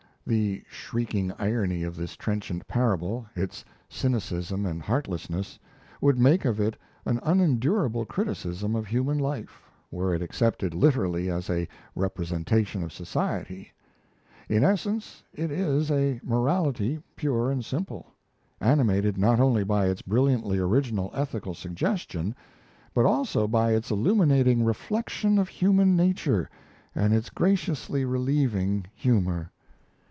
The shrieking irony of this trenchant parable, its cynicism and heartlessness, would make of it an unendurable criticism of human life were it accepted literally as a representation of society. In essence it is a morality pure and simple, animated not only by its brilliantly original ethical suggestion, but also by its illuminating reflection of human nature and its graciously relieving humour.